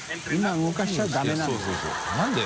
動かしちゃダメなんだよ